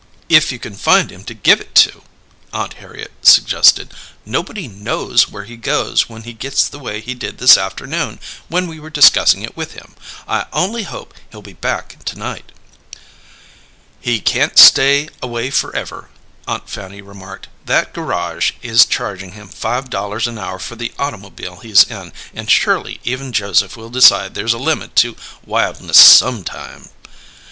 "If you can find him to give it to!" Aunt Harriet suggested. "Nobody knows where he goes when he gets the way he did this afternoon when we were discussing it with him! I only hope he'll be back to night!" "He can't stay away forever," Aunt Fanny remarked. "That garage is charging him five dollars an hour for the automobile he's in, and surely even Joseph will decide there's a limit to wildness some time!"